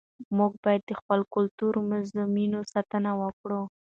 موږ باید د خپلو کلتوري موزیمونو ساتنه وکړو.